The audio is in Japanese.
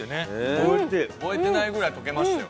覚えてないぐらい溶けましたよ